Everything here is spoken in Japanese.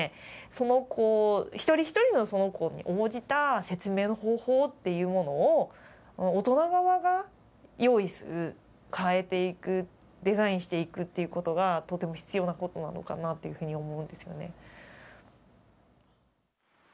その子一人一人のその子に応じた説明の方法っていうものを大人側が用意する変えていくデザインしていくっていうことがとても必要なことなのかなというふうに思うんですよね。